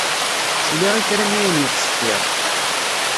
Sliɣ i kra n yiwen yettṣeffiṛ.